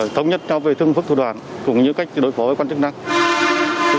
thống nhất nhau về thương phức thủ đoàn cũng như cách đối phó với quan trọng năng